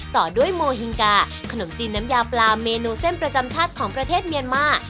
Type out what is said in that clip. ต่อด้วยโมฮิงกาขนมจีนน้ำยาปลาเมนูเส้นประจำชาติของประเทศเมียนมา